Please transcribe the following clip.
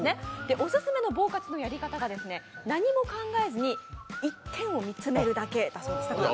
オススメの呆活のやり方が、何も考えずに一点を見つめることだそうです。